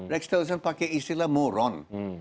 rex tillerson pakai istilah moron